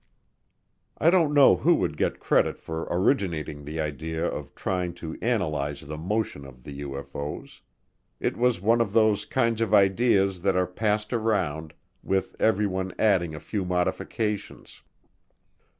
I don't know who would get credit for originating the idea of trying to analyze the motion of the UFO's. It was one of those kinds of ideas that are passed around, with everyone adding a few modifications.